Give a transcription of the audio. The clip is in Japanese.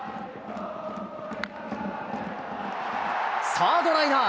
サードライナー。